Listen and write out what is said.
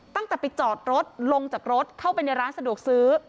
ตั้งแต่ไปจอดรถลงจากรถเข้าไปในร้านสะดวกซื้อ